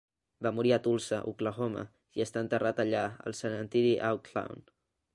Va morir a Tulsa, Oklahoma, i està enterrat allà, al cementiri Oaklawn.